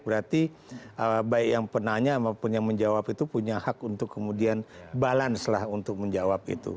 berarti baik yang penanya maupun yang menjawab itu punya hak untuk kemudian balance lah untuk menjawab itu